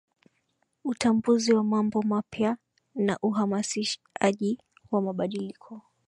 Utambuzi wa mambo mapya na uhamasishaji wa mabadiliko